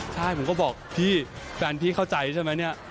ใช่ผมก็บอกพี่แฟนพี่เข้าใจใช่ไหมเนี่ย